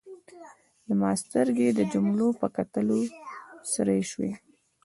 زما سترګې د جملو په کتلو سرې شوې.